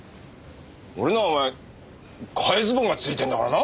俺のはお前替えズボンがついてんだからな。